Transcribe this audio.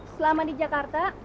selama di jakarta